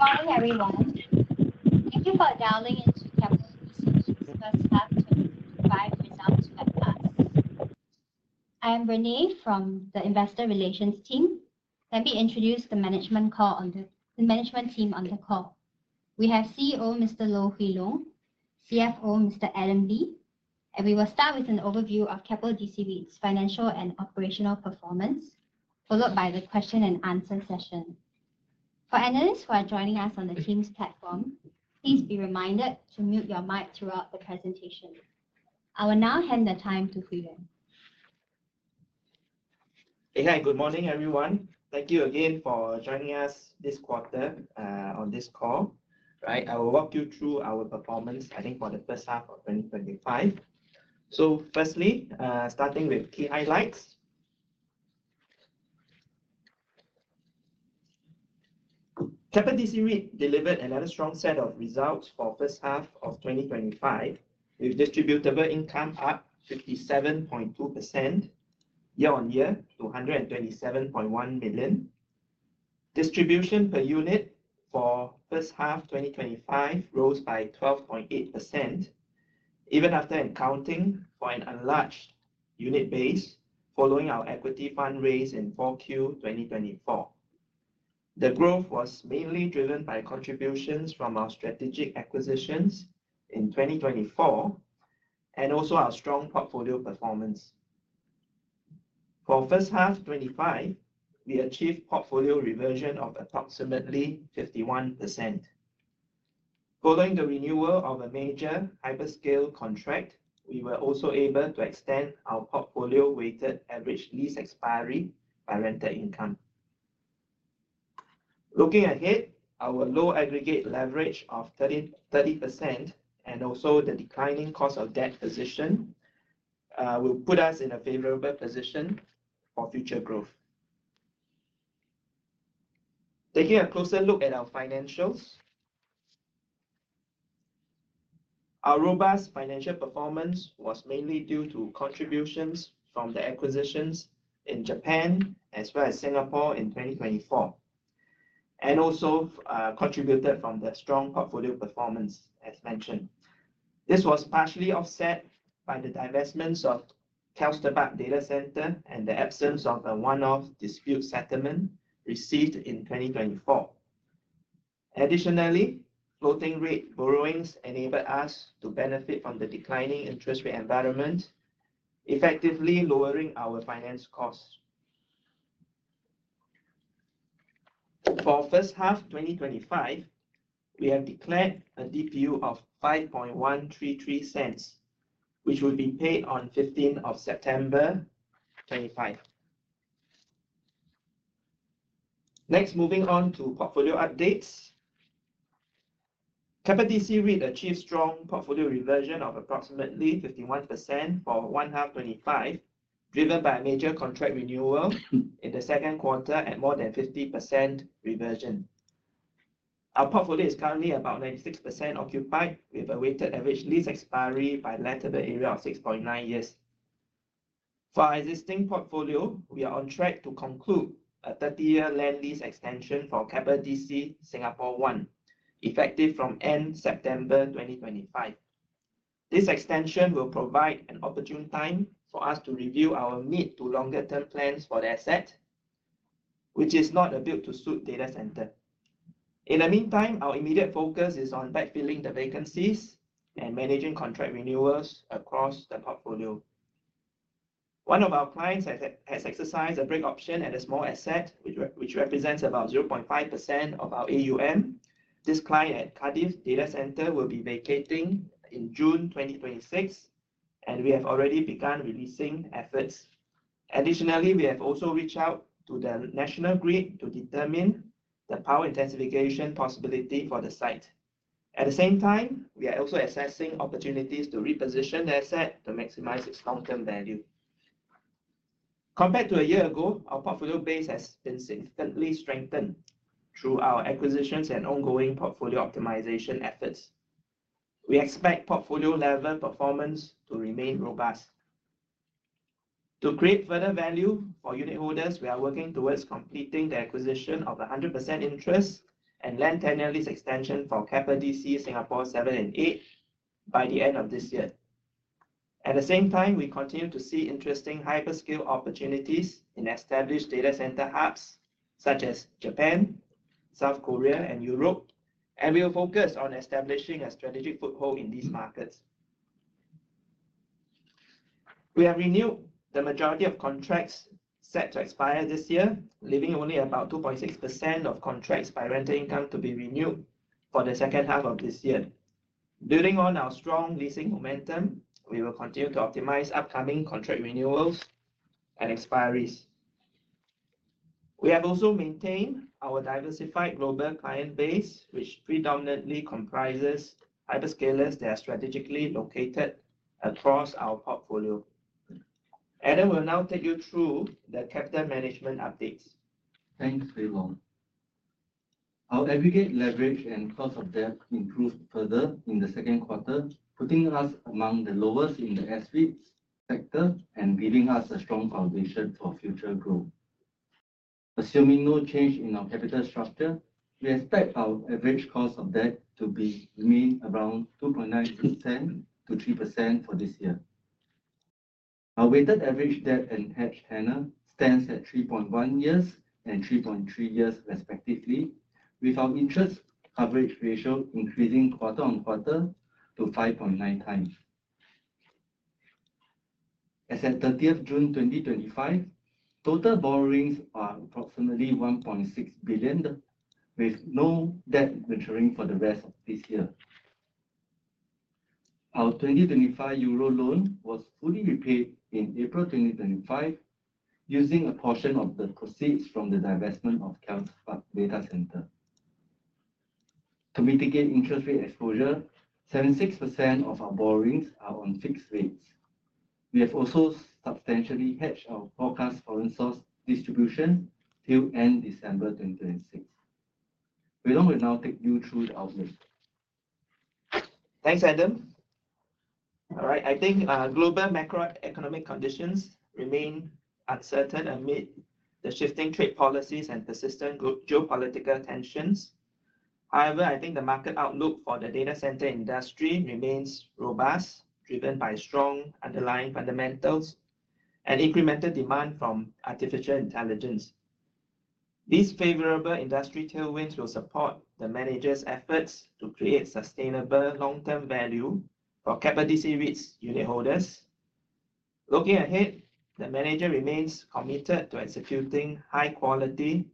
Morning everyone. Thank you for dialing into Keppel DC REIT's first half 2025 results webcast. I am Renee from the Investor Relations Team. Let me introduce the management team. On the call we have CEO Mr. Loh Hwee Long, CFO Mr. Adam Lee, and we will start with an overview of Keppel DC REIT's financial and operational performance followed by the question and answer session for analysts who are joining us on the Teams platform. Please be reminded to mute your mic throughout the presentation. I will now hand the time to Hwee Long. Good morning everyone. Thank you again for joining us this quarter. On this call I will walk you through our performance for the first half of 2025. Firstly, starting with key highlights, Keppel DC REIT delivered another strong set of results for the first half of 2025 with distributable income up 57.2% year-on-year to 127.1 million. Distribution per unit for the first half of 2025 rose by 12.8% even after accounting for an enlarged unit base following our equity fund raise in the fourth quarter of 2024. The growth was mainly driven by contributions from our strategic acquisitions in 2024 and also our strong portfolio performance. For the first half of 2025, we achieved portfolio reversion of approximately 51% following the renewal of a major hyperscale contract. We were also able to extend our portfolio weighted average lease expiry by rental income. Looking ahead, our low aggregate leverage of 30% and the declining cost of debt position will put us in a favorable position for future growth. Taking a closer look at our financials, our robust financial performance was mainly due to contributions from the acquisitions in Japan as well as Singapore in 2024 and also contributed from the strong portfolio performance. As mentioned, this was partially offset by the divestments of Kelsterbach Data Centre and the absence of a one-off dispute settlement received in 2024. Additionally, floating rate borrowings enable us to benefit from the declining interest rate environment, effectively lowering our finance costs. For the first half of 2025, we have declared a DPU of 0.05133 which will be paid on 15th of September 2025. Next, moving on to portfolio updates, Keppel DC REIT achieved strong portfolio reversion of approximately 51% for the first half of 2025 driven by a major contract renewal in the second quarter. At more than 50% reversion, our portfolio is currently about 96% occupied with a weighted average lease expiry by lettable area of 6.9 years. For our existing portfolio, we are on track to conclude a 30-year land lease extension for Keppel DC Singapore 1 effective from end September 2025. This extension will provide an opportune time for us to review our mid to longer term plans for the asset which is not a built-to-suit data centre. In the meantime, our immediate focus is on backfilling the vacancies and managing contract renewals across the portfolio. One of our clients has exercised a break option at a small asset which represents about 0.5% of our AUM. This client at Cardiff Data Centre will be vacating in June 2026 and we have already begun releasing efforts. Additionally, we have also reached out to the National Grid to determine the power intensification possibility for the site. At the same time, we are also assessing opportunities to reposition the asset to maximize its long-term value compared to a year ago. Our portfolio base has been significantly strengthened through our acquisitions and ongoing portfolio optimization efforts. We expect portfolio level performance to remain robust to create further value for unitholders. We are working towards completing the acquisition of 100% interest and land tenure lease extension for Keppel DC Singapore 7 and Singapore 8 by the end of this year. At the same time, we continue to see interesting hyperscale opportunities in established data centre hubs such as Japan, South Korea, and Europe, and we will focus on establishing a strategic foothold in these markets. We have renewed the majority of contracts since to expire this year, leaving only about 2.6% of contracts by rental income to be renewed for the second half of this year. Building on our strong leasing momentum, we will continue to optimize upcoming contract renewals and expiries. We have also maintained our diversified global client base, which predominantly comprises hyperscalers that are strategically located across our portfolio. Adam Lee will now take you through the capital management updates. Thanks, Hwee Long. Our aggregate leverage and cost of debt improved further in the second quarter, putting us among the lowest in the S-REITs sector and giving us a strong foundation for future growth. Assuming no change in our capital structure, we expect our average cost of debt to remain around 2.9%-3% for this year. Our weighted average debt and hedge tenor stands at 3.1 years and 3.3 years respectively, with our interest coverage ratio increasing quarter on quarter to 5.9x. As at 30th June 2025, total borrowings are approximately 1.6 billion with no debt maturing for the rest of this year. Our 2025 Euro loan was fully repaid in April 2025 using a portion of the proceeds from the divestment of Kelsterbach Data Centre to mitigate interest rate exposure. 76% of our borrowings are on fixed rates. We have also substantially hedged our forecast foreign source distribution till end December 2026. Will now take you through the outlook. Thanks, Adam. I think global macroeconomic conditions remain uncertain amid the shifting trade policies and persistent geopolitical tensions. However, I think the market outlook for the data centre industry remains robust, driven by strong underlying fundamentals and incremental demand from artificial intelligence. These favorable industry tailwinds will support the manager's efforts to create sustainable long term value for Keppel DC REIT's unitholders. Looking ahead, the manager remains committed to executing high quality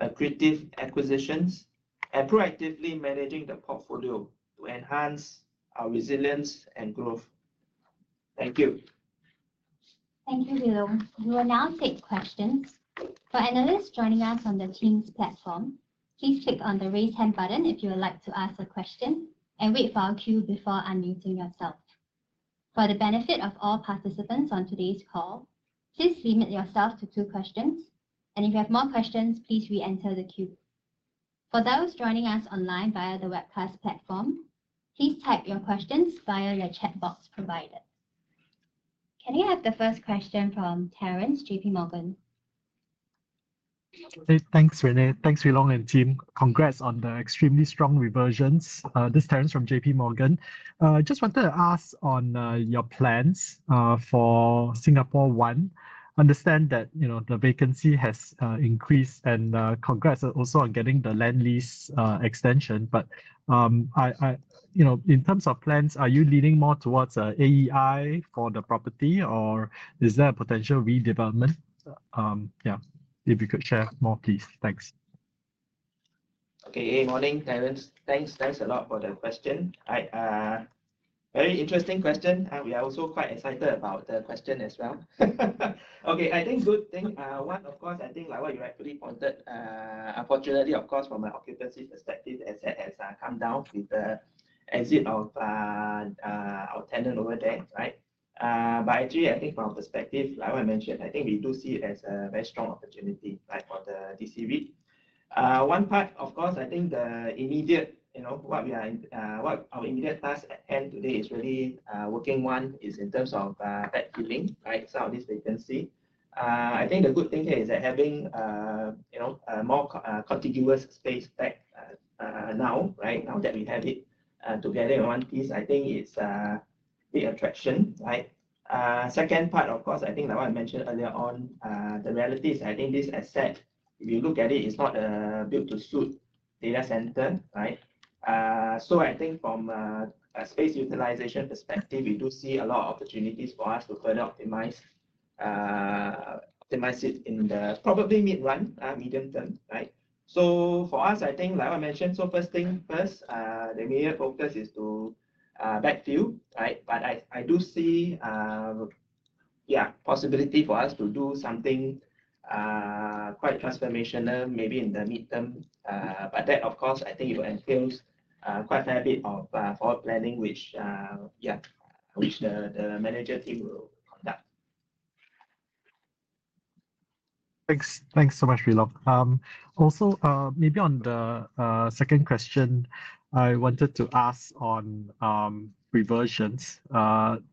accretive acquisitions and proactively managing the portfolio to enhance our resilience and growth. Thank you. Thank you, Hwee Long. We will now take questions for analysts joining us on the Teams platform. Please click on the raise hand button if you would like to ask a question and wait for our queue before unmuting yourself. For the benefit of all participants on today's call, please limit yourself to two questions, and if you have more questions, please re-enter the queue. For those joining us online via the webcast platform, please type your questions via the chat box provided. Can we have the first question from Terence, JPMorgan? Thanks Renee, thanks Hwee Long and team, congrats on the extremely strong reversions. This is Terence from JPMorgan. I just wanted to ask on your plans for Singapore 1. I understand that the vacancy has increased and congrats also on getting the land lease extension. In terms of plans, are you leaning more towards AI for the property or is there a potential redevelopment? If you could share more please. Thanks. Okay. Morning Terence. Thanks a lot for the question. Very interesting question. We are also quite excited about the question as well. I think good thing, one of course, like what you rightfully pointed out, unfortunately from an occupancy perspective, it has come down with the exit of our tenant over there. Actually, from our perspective, like I mentioned, we do see it as a very strong opportunity for the REIT. One part, of course, the immediate task at hand today is really working on that filling, right, the vacancy. The good thing is that having more contiguous space back now, now that we have it together in one piece, I think it's a big attraction. Second part, what I mentioned earlier, the reality is this asset, if you look at it, it's not built-to-suit data centre. From a space utilization perspective, we do see a lot of opportunities for us to further optimize it in the probably mid run, medium term. For us, like I mentioned, first thing first, the major focus is to backfill. I do see possibility for us to do something quite transformational, maybe in the midterm. That, of course, will entail quite a fair bit of forward planning, which the manager team will conduct. Thanks so much. Also, maybe on the second question I wanted to ask on reversions,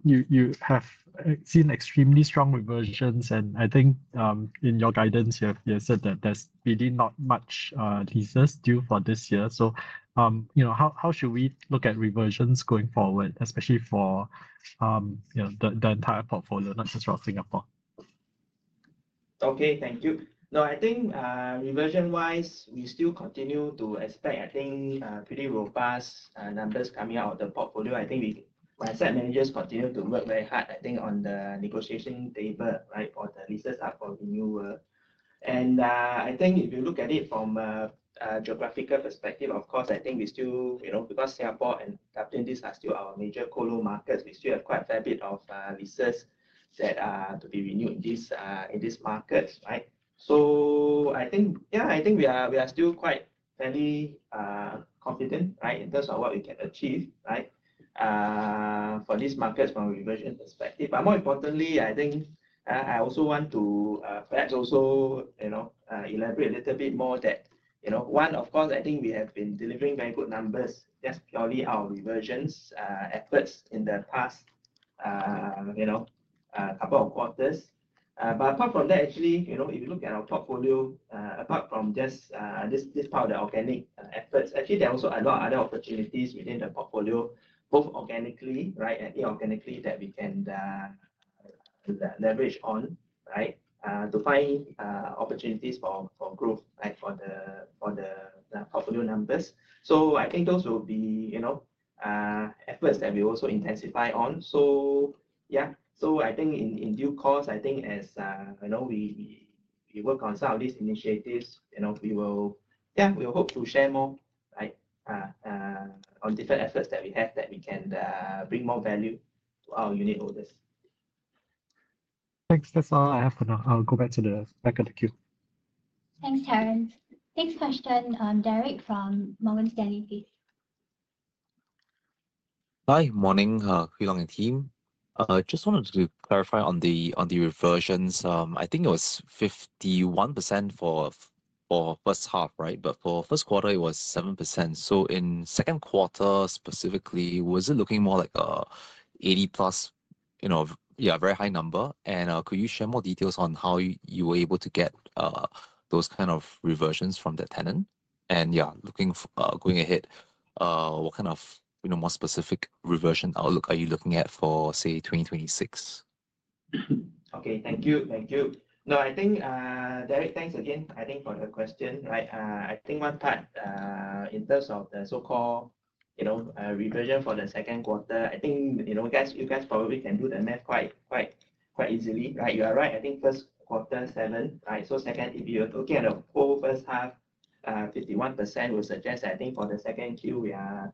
you have seen extremely strong reversions and I think in your guidance you said that there's really not much thesis due for this year. How should we look at reversions going forward, especially for the entire portfolio, not just for Singapore? Thank you. I think reversion wise, we still continue to expect pretty robust numbers coming out of the portfolio. My asset managers continue to work very hard on the negotiation table for the leases up for renewal. If you look at it from a geographical perspective, we still, you know, because Singapore and Keppel DC are still our major colo markets, we still have quite a fair bit of leases to be renewed in these markets. I think we are still quite fairly confident in terms of what we can achieve for these markets from a reversion perspective. More importantly, I also want to perhaps elaborate a little bit more that, of course, we have been delivering very good numbers, just purely our reversions efforts in the past couple of quarters. Apart from that, actually, if you look at our portfolio, apart from just this part of the organic efforts, there are also a lot of other opportunities within the portfolio, both organically and inorganically, that we can leverage on to find opportunities for growth for the portfolio numbers. Those will be efforts that we also intensify on. I think in due course, as we work on some of these initiatives, we hope to share more on different efforts that we have that can bring more value to our unitholders. Thanks. That's all I have for now. I'll go back to the back of the queue. Thanks, Terence. Next question. Derek from Morgan Stanley, please. Hi. Morning. Hwee Long and team. Just wanted to clarify on the, on the reversions, I think it was 51% for first half. Right. For first quarter it was 7%. In second quarter specifically was it looking more like 80%+, you know. Yeah, very high number. Could you share more details on how you were able to get those kind of reversions from the tenant and looking going ahead, what kind of more specific reversion outlook are you looking at for say 2026? Okay, thank you. Thank you. No I think Derek, thanks again. I think for the question, right. One part in terms of the so called, you know, reversion for the second quarter, I think you guys probably can do the math quite, quite easily. Right. You are right. First quarter 7%, right. Second, if you're looking at a full first half 51% will suggest for the second Q we are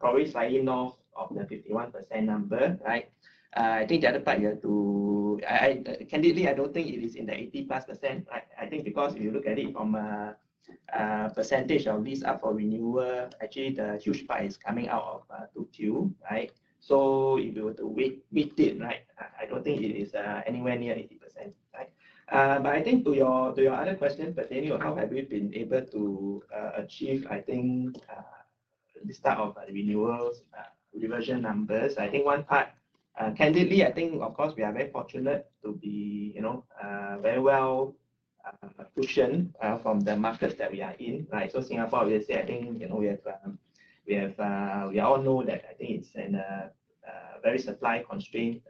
probably slightly north of the 51% number. I think the other part here too, I candidly I don't think it is in the 80 plus % I think because if you look at it from a percentage of these up for renewal actually the huge price coming out of 2Q. If you were to weight it right, I don't think it is anywhere near 80% but to your other question pertaining how have we been able to achieve this type of renewals reversion numbers? One part candidly I think of course we are very fortunate to be very well cushioned from the markets that we are in. Singapore we are setting we all know that it's a very supply constrained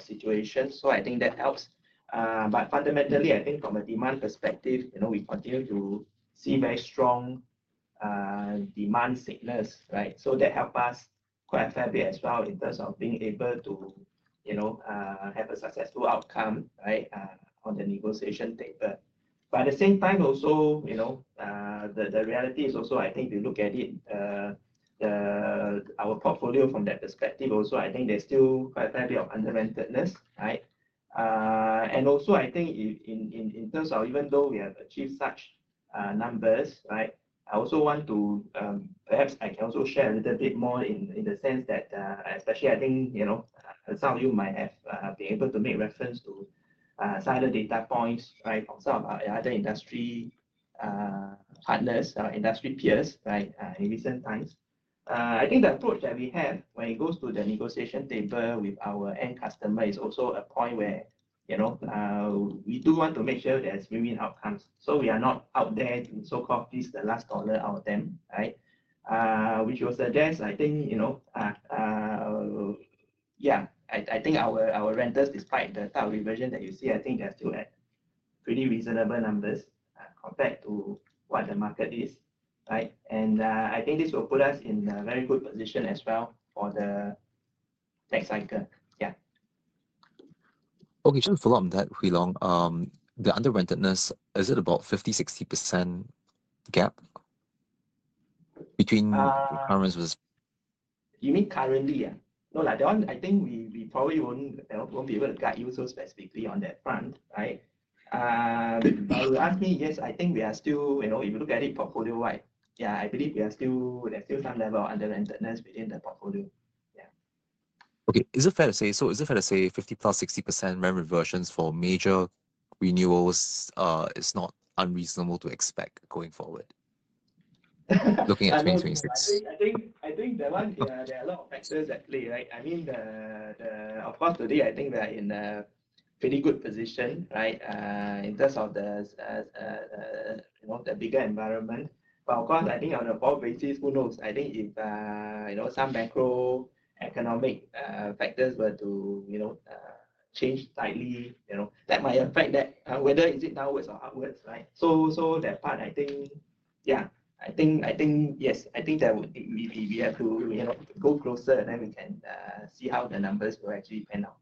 situation so I think that helps. Fundamentally I think from a demand perspective we continue to see very strong demand signals so that help us quite fairly as well in terms of being able to have a successful outcome on the negotiation data. At the same time also the reality is also I think we look at it our portfolio from that perspective also I think there's still quite a bit of undeadness and also in terms of even though we have achieved such numbers I also want to perhaps I can also share a little bit more in the sense that especially I think some of you might have been able to make reference to silo data points of some other industry partners, our industry peers in recent times. I think the approach that we have when it goes to the negotiation table with our end customer is also a point where we do want to make sure there's million outcomes, so we are not out there to so called, this the last dollar out them. Right. Which will suggest, I think, our renters, despite the TAWI version that you see, are still at pretty reasonable numbers compared to what the market is. I think this will put us in a very good position as well for the tech cycle. Okay, just to follow up on that, Hwee Long, the underwentedness, is it about 50%, 60% gap between. You mean currently? No, later. I think we probably won't be able to guide you so specifically on that front. Yes, I think we are still, if you look at it portfolio wide, I believe we are still, there's still some level of underwentness within the portfolio. Okay. Is it fair to say, so is it fair to say 50%+, 60% rent reversions for major renewals is not unreasonable to expect going forward. Looking at 2026? I think there are a lot of factors, actually. I mean, of course today I think we are in pretty good position in terms of the bigger environment. Of course, on a broad basis, who knows? I think if some macroeconomic factors were to change slightly, that might affect that, whether is it downwards or upwards. That part, I think, yes, I think that would be able to go closer and then we can see how the numbers will actually pan out.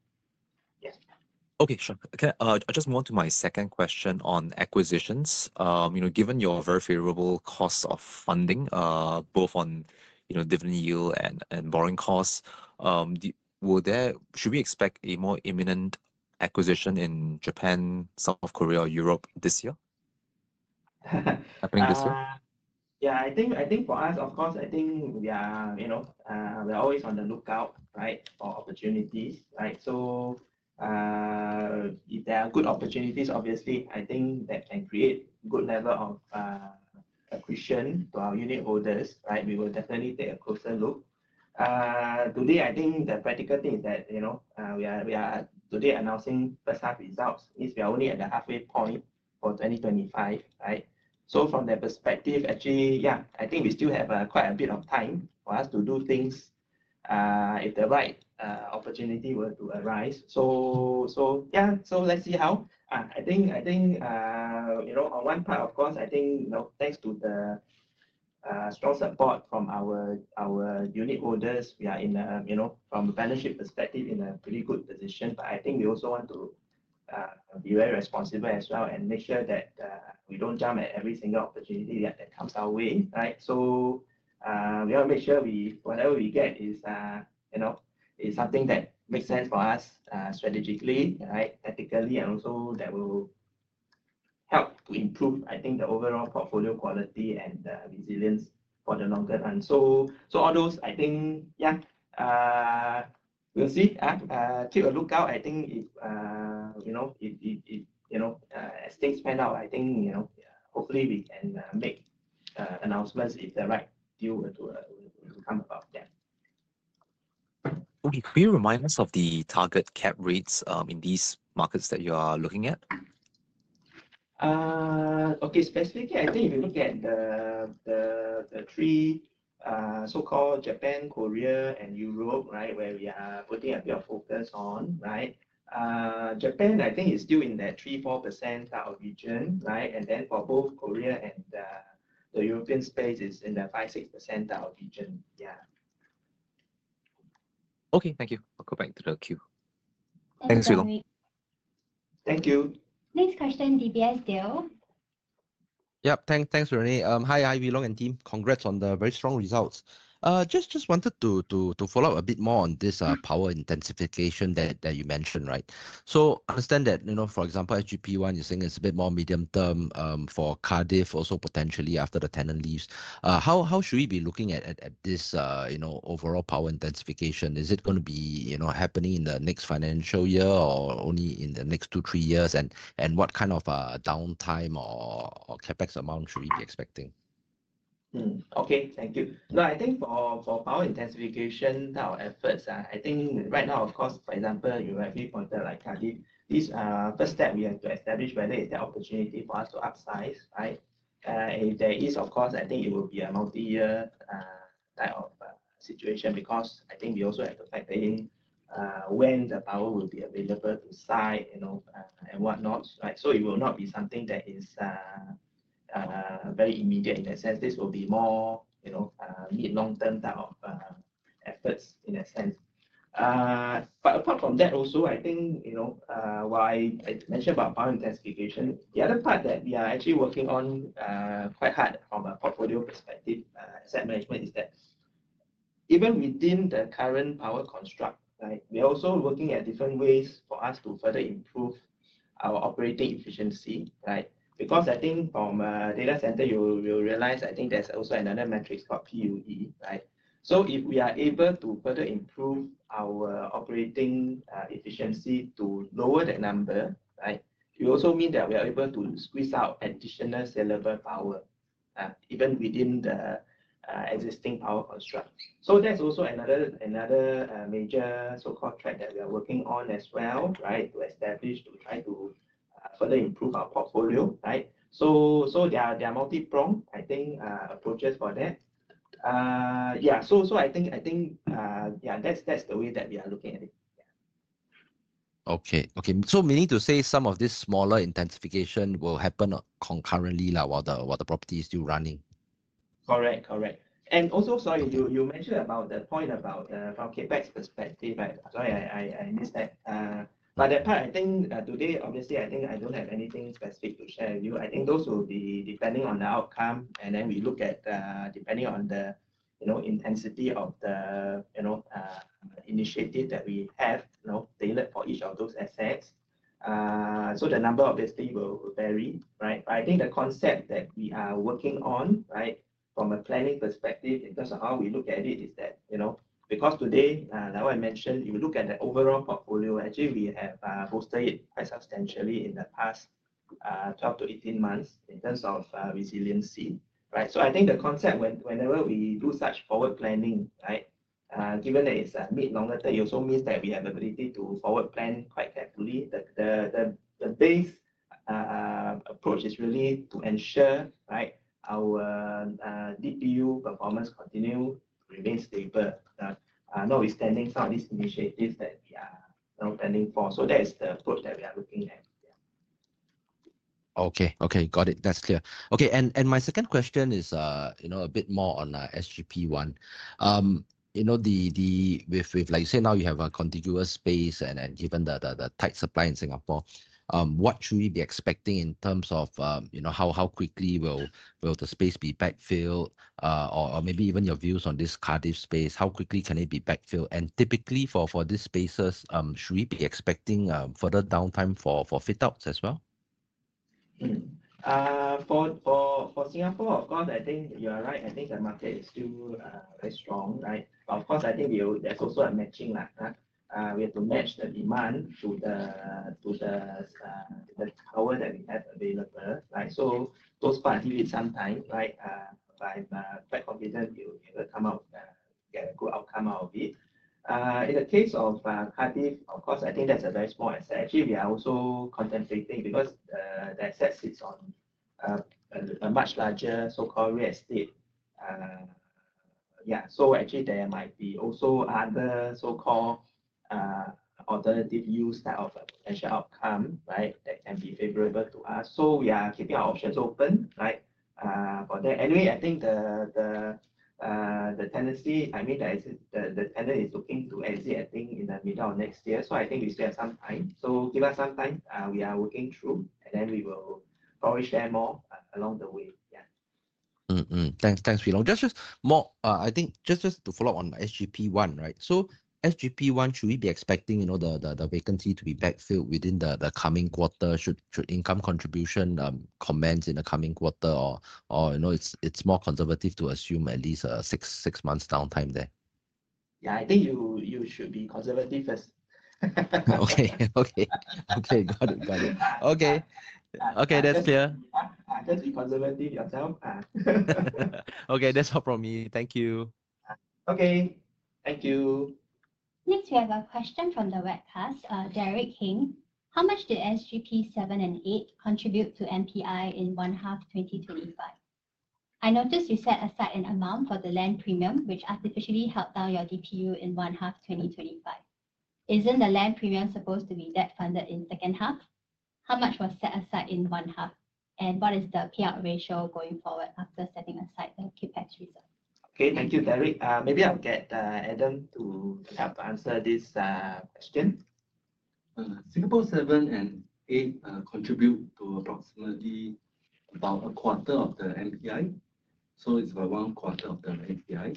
Okay, sure. I just move on to my second question on acquisitions. Given your very favorable cost of funding, both on dividend yield and borrowing costs, should we expect a more imminent acquisition in Japan, South Korea or Europe this year? I think for us, of course, we're always on the lookout for opportunities. If there are good opportunities, obviously, that can create good level of accretion to our unitholders. We will definitely take a closer look. Today, announcing first half results means we are only at the halfway point for 2025. From that perspective, I think we still have quite a bit of time for us to do things if the right opportunity were to arise. Let's see how I think, you know, on one part, of course, I think thanks to the strong support from our unitholders, we are in, from a balance sheet perspective, in a pretty good position. I think we also want to be very responsible as well and make sure that we don't jump at every single opportunity that comes our way. Right. We want to make sure we, whatever we get is something that makes sense for us strategically, ethically, and also that will help to improve, I think, the overall portfolio quality and resilience for the longer run. All those, I think, yeah, we'll see. Take a look out. I think as things pan out, I think hopefully we can make announcements if the right deal will come about. Could you remind us of the target cap rates in these markets that you are looking at? Specifically, I think if you look at the three so-called Japan, Korea, and Europe, where we are putting a bit of focus on Japan, I think is still in that 3%-4% region, and then for both Korea and the European space, it is in the 5%-6% region. Thank you. I'll go back to the queue. Thanks, Hwee Long. Thank you. Next question. UBS, Dale? Thanks Renee. Hi Hwee Long and team. Congrats on the very strong results. Just wanted to follow up a bit more on this power intensification that you mentioned. Right. So understand that you know for example SGP 1, you're saying it's a bit more medium term, for Cardiff also potentially after the tenant leaves. Should we be looking at this overall power intensification, is it going to be happening in the next financial year or only in the next two, three years? And what kind of downtime or CapEx amount should we be expecting? Thank you. I think for power intensification efforts, right now, of course, for example, you rightly pointed out, this first step we have to establish whether it's the opportunity for us to upsize. If there is, it will be a multi-year type of situation because we also have to factor in when the power will be available to site and whatnot. It will not be something that is very immediate; this will be more mid to long term type of efforts. Apart from that, while I mentioned about power intensification, the other part that we are actually working on quite hard from a portfolio perspective, asset management, is that even within the current power construct, we're also looking at different ways for us to further improve our operating efficiency. From data centres, you will realize there's also another metric called PUE. If we are able to further improve our operating efficiency to lower that number, it also means that we are able to squeeze out additional salable power even within the existing power construct. That's also another major trend that we are working on as well to try to further improve our portfolio. There are multi-pronged approaches for that. That's the way that we are looking at it. Meaning to say, some of this smaller intensification will happen concurrently while the property is still running? Correct, correct. Also, you mentioned about the point about from CapEx perspective. Sorry I missed that part. I think today, obviously, I don't have anything specific to share with you. Those will be depending on the outcome and then we look at depending on the intensity of the initiative that we have tailored for each of those assets. The number obviously will vary. I think the concept that we are working on from a planning perspective in terms of how we look at it is that, you know, because today, now I mentioned if you look at the overall portfolio, actually we have boosted it quite substantially in the past 12-18 months in terms of resiliency. I think the concept whenever we do such forward planning, given that it's mid longer term, it also means that we have the ability to forward plan quite carefully. The base approach is really to ensure our DPU performance continues and remains stable notwithstanding some of these initiatives that we are planning for. That is the approach that we are looking at. Okay, got it, that's clear. My second question is a bit more on SGP 1. Like you say, now you have a contiguous space and given the tight supply in Singapore, what should we be expecting in terms of how quickly will the space be backfilled? Or maybe even your views on this Cardiff space, how quickly can it be backfilled? Typically for these spaces, should we be expecting further downtime for fit outs as well? For Singapore? Of course, I think you are right. I think the market is still very strong. There is also a matching. We have to match the demand to the power that we have available. Those parts need some time. I'm quite confident you will get a good outcome out of it. In the case of Cardiff, that is a very small asset. Actually, we are also contemplating because the asset sits on a much larger so-called real estate. There might be also other so-called alternative use type of potential outcome that can be favorable to us. We are keeping our options open. Anyway, I think the tenant is looking to exit in the middle of next year. We still have some time. Give us some time, we are working through and then we will probably share more along the way. Thanks. Just to follow up on SGP 1. Should we be expecting the vacancy to be backfilled within the coming quarter? Should income contribution commence in the coming quarter or is it more conservative to assume at least six months downtime there? I think you should be conservative first. Okay, got it. That's clear. Just be conservative yourself. That's all from me. Thank you. Okay, thank you. Next we have a question from the webcast. Derek Hing, how much did SGP 7 and SGP 8 contribute to MPI in first half 2025? I noticed you set aside an amount for the land premium, which artificially held down your DPU in first half 2025. Isn't the land premium supposed to be debt funded in second half? How much was set aside in one half, and what is the payout ratio going forward after setting aside the CapEx result? Okay, thank you, Derek. Maybe I'll get Adam to help answer this question. Singapore 7 and Singapore 8 contribute to approximately about a quarter of the MPI. So it's about 1/4 of the MPI.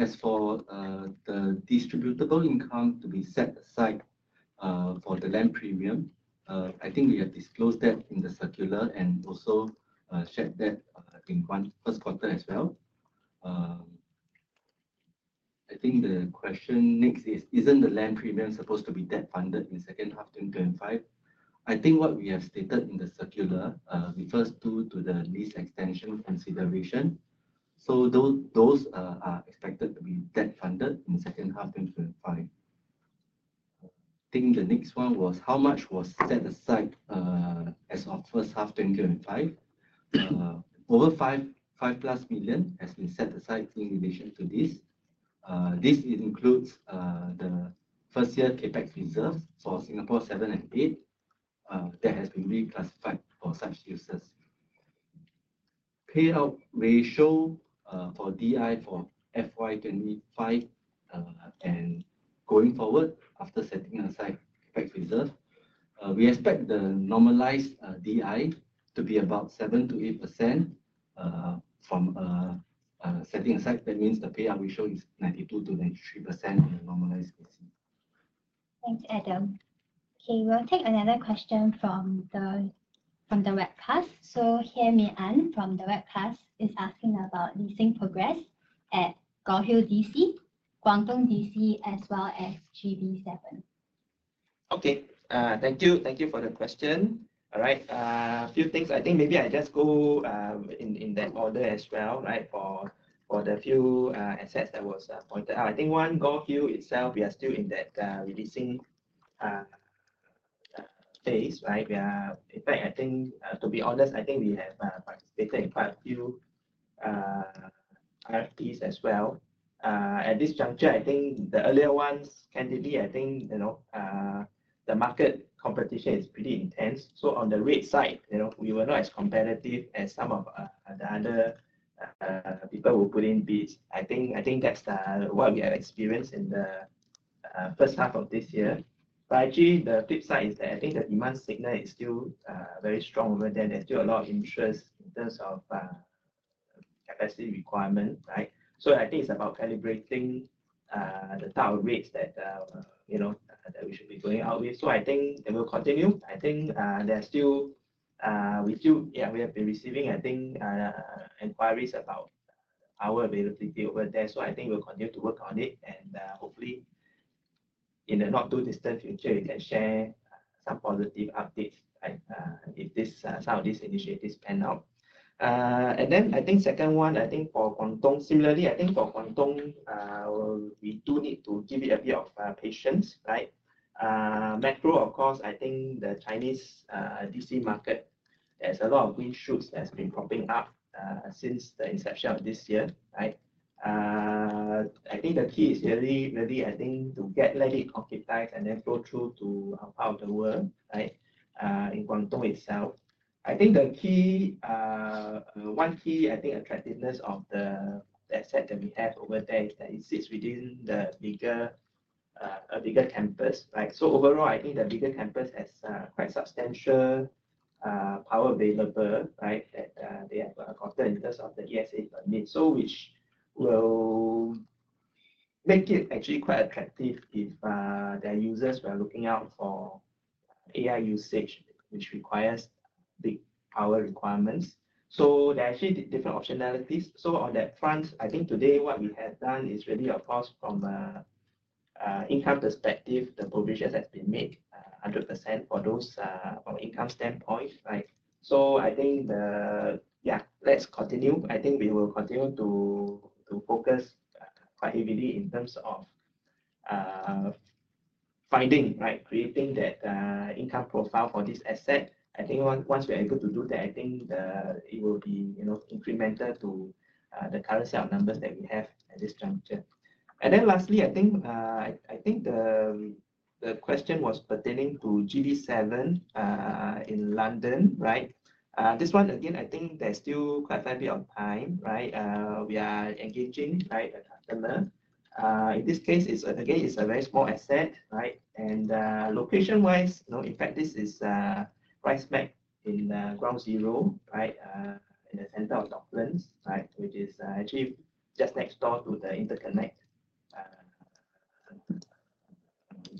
As for the distributable income to be set aside for the land premium, I think we have disclosed that in the circular and also shared that in first quarter as well. I think the question next is isn't the land premium supposed to be debt funded in second half 2025? I think what we have stated in the circular refers to the lease extension consideration. Those are expected to be debt funded in the second half 2025. I think the next one was how much was set aside as of first half 2025. Over 5.4 million has been set aside in relation to this. This includes the first year CapEx reserves for Singapore 7 and Singapore 8 that has been reclassified for such uses. Payout ratio for DI for FY 2025 and going forward after setting aside CapEx reserve, we expect the normalized DI to be about 7%-8% from setting aside. That means the payout ratio is 92%-93% in a normalized. Thanks, Adam. Okay, we'll take another question from the webcast. Here, Mei An from the webcast is asking about leasing progress at Gaolhu DC, Guangdong DC, as well as GV7. Okay, thank you, thank you for the question. All right, a few things, I think maybe I just go in that order as well. For the few assets that were pointed out, I think one, Gaolhu itself, we are still in that releasing phase, right? In fact, I think, to be honest, we have participated in quite a few NFTs as well at this juncture. The earlier ones, candidly, the market competition is pretty intense. On the REIT side, we were not as competitive as some of the other people who put in bids. That's what we have experienced in the first half of this year. The flip side is that the demand signal is still very strong over there. There's still a lot of interest in terms of capacity requirement. I think it's about calibrating the tar rates that we should be going out with. It will continue. We have been receiving inquiries about our availability over there. We'll continue to work on it and hopefully in the not too distant future we can share some positive updates if some of these initiatives pan out. The second one, for Guangdong, similarly, for Guangdong we do need to give it a bit of patience. Macro, of course, the Chinese DC market, there's a lot of wind shoots that's been popping up since the inception of this year. The key is really to get levitized and then flow through to out of the world in Guangdong itself. One key attractiveness of the asset that we have over there is that it sits within a bigger campus. Overall, the bigger campus has quite substantial power available that they have gotten in terms of the ESA permit, which will make it actually quite attractive if users were looking out for AI usage which requires the power requirements. There are actually different optionalities. On that front, today what we have done is really, of course from income perspective, the provision has been made 100% for those income standpoint. Let's continue. We will continue to focus quite heavily in terms of finding, creating that income profile for this asset. Once we're able to do that, it will be incremental to the current set of numbers that we have at this juncture. Lastly, I think the question was pertaining to GV7 in London, right? This one again, there's still quite a bit of time. We are engaging a customer in this case. Again, it's a very small asset and location wise, in fact, this is right smack in ground zero, right in the centre of Docklands, right, which is actually just next door to the interconnect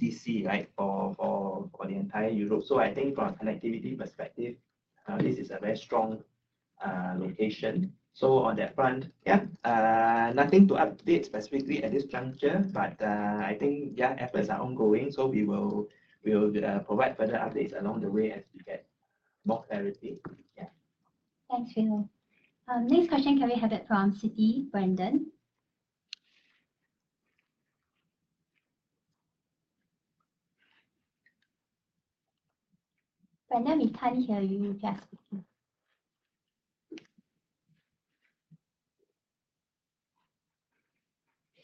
DC for the entire Europe. I think from a connectivity perspective, this is a very strong location. On that front, nothing to update specifically at this juncture, but efforts are ongoing. We will provide further updates along the way as we get more clarity. Thanks, all. Next question, can we have it from Citi, Brandon? Brandon, we can't hear you.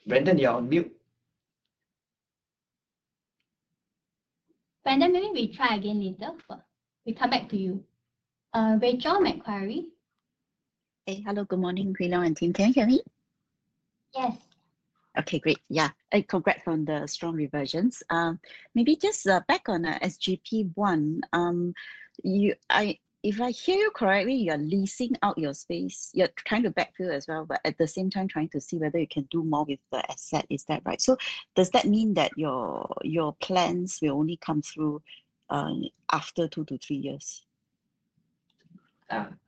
Brandon, you're on mute. Maybe we try again later, but we come back to you. Rachel, Macquarie? Hey. Hello. Good morning, Renee and team. Can you hear me? Yes. Okay, great. Yeah, congrats on the strong reversions. Maybe just back on SGP1, if I hear you correctly, you're leasing out your space, you're trying to backfill as well, but at the same time trying to see whether you can do more with the asset, is that right? Does that mean that your plans will only come through after two to three years?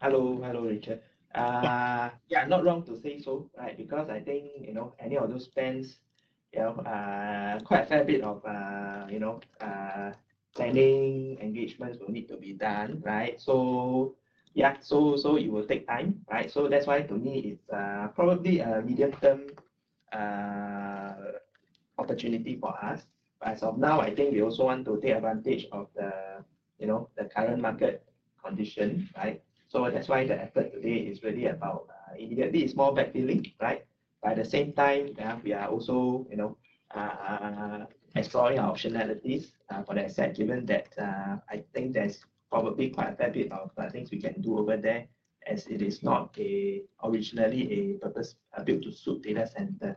Hello, Rachel. Yeah, not wrong to say so, right? I think any of those plans, quite a fair bit of planning engagements will need to be done. It will take time, right. That's why to me it's probably a medium term opportunity for us as of now. I think we also want to take advantage of the current market condition. That's why the effort today is really about immediately it's more backfilling. At the same time we are also exploring optionalities for that said, given that I think there's probably quite a fair bit of things we can do over there. As it is not originally a purpose built to suit data centre,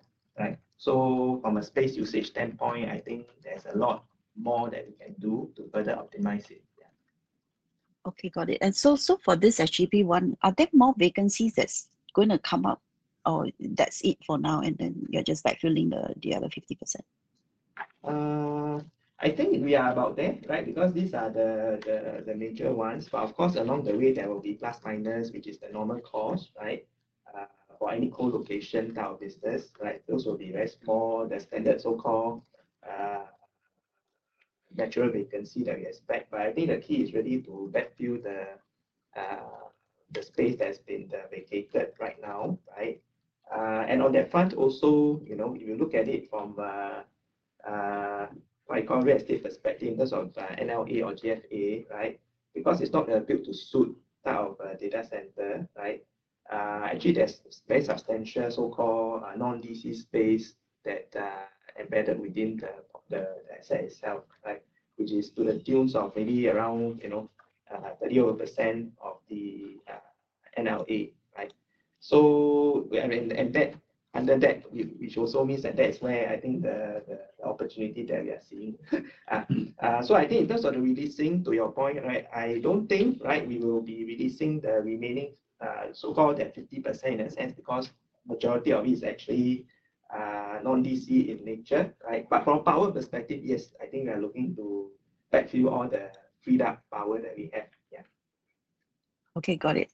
from a space usage standpoint, I think there's a lot more that we can do to further optimize it. Okay, got it. For this SGP 1, are there more vacancies that's going to come up or that's it for now, and then you're just backfilling the other 50%? I think we are about there, right, because these are the major ones. Of course, along the way there will be plus minus, which is the normal cost, right, for any colocation type of business. Those will be very small, the standard so-called natural vacancy that we expect. I think the key is really to view the space that's been vacated right now. On that front also, if you look at it from a real estate perspective in terms of NLA or GFA, because it's not built-to-suit type of data centre, actually there's very substantial so-called non-DC space that's embedded within the asset itself, which is to the tune of maybe around 30% of the NLA. Under that, which also means that that's where I think the opportunity that we are seeing is. I think in terms of releasing, to your point, I don't think we will be increasing the remaining so-called 50% in a sense because majority of it is actually non-DC in nature. From a power perspective, yes, I think we are looking to backfill all the freed up power that we have. Okay, got it.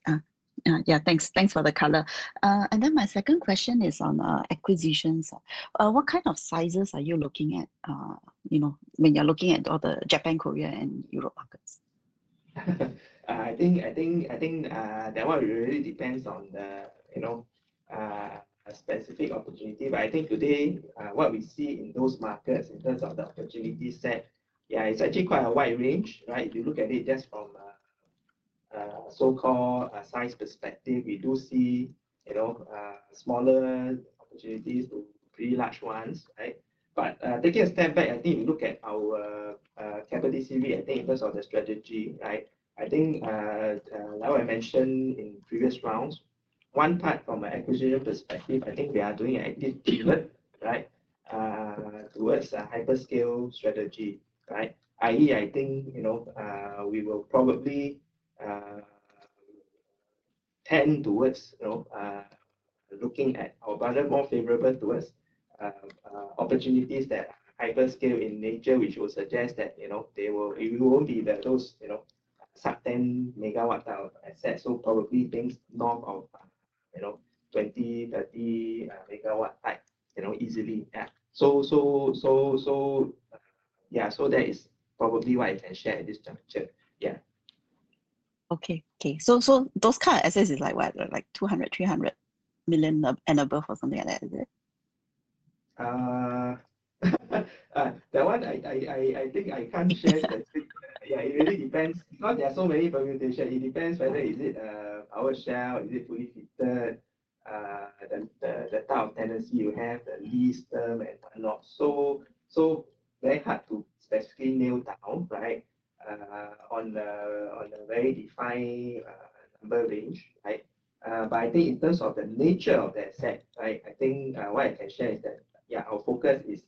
Yeah, thanks. Thanks for the color. My second question is on acquisitions. What kind of sizes are you looking at when you're looking at all the Japan, Korea and Europe? I think that one really depends on the specific opportunity. I think today what we see in those markets in terms of the opportunity set, it's actually quite a wide range. If you look at it just from so-called size perspective, we do see smaller opportunities to pretty large ones. Taking a step back, I think looking at our capital CV, I think in terms of the strategy, right, I mentioned in previous rounds one part from an acquisition perspective, I think we are doing active pivot right towards a hyperscale strategy, i.e., I think, you know, we will probably tend towards, you know, looking at our budget more favorable to us opportunities that are hyperscale in nature, which will suggest that, you know, they will develop those sub-10 MW assets. Probably things north of, you know, 20 MW, 30 MW type, you know, easily. That is probably what I can share at this juncture. Okay. Those core assets is like what, like 200 million, 300 million and above? Something like that? I think I can't share. It really depends because there are so many permutations. It depends whether is it our shell, is it fully fitted, the type of tenancy you have, the lease term and whatnot. Very hard to specifically nail down, right on the very defined. I think in terms of the nature of that set, what I can share is that our focus is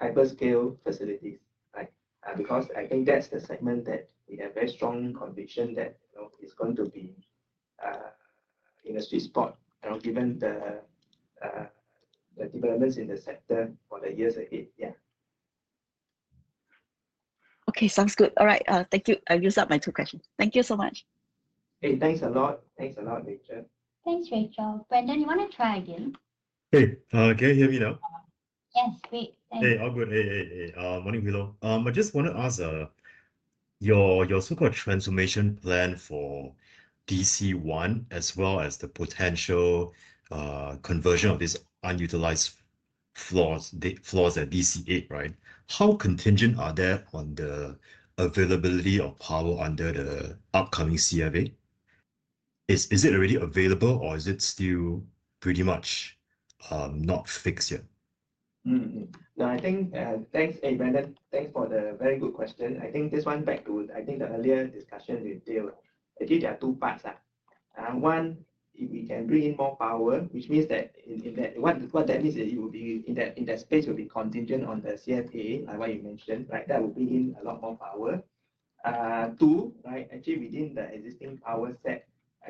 hyperscale facilities because I think that's the segment that we have very strong conviction that it's going to be in a sweet spot given the developments in the sector for the years ahead. Okay, sounds good. All right, thank you. I've used up my two questions. Thank you so much. Hey, thanks a lot. Thanks a lot, Rachel. Thanks, Rachel. Brandon, you want to try again? Hey, can you hear me now? Yes. Great. Thank you all. Good morning. Hwee Long, I just want to ask your so-called transformation plan for DC 1 as well as the potential conversion of this unutilized floors at DC 8, right. How contingent are they on the availability of power under the upcoming CFA? Is it already available or is it still pretty much not fixed yet? Thanks, Brandon. Thanks for the very good question. I think this goes back to the earlier discussion with Dale. There are two parts. One, if we can bring in more power, which means that you will be in that space, will be contingent on the CFA mentioned, right. That will bring in a lot more power. Two, actually within the existing power set,